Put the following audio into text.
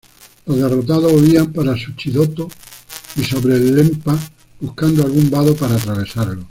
Los derrotados huían para Suchitoto y sobre el Lempa, buscando algún vado para atravesarlo.